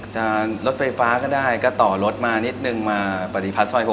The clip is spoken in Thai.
รถไฟฟ้าก็ได้ก็ต่อรถมานิดนึงมาปฏิพัฒน์ซอย๖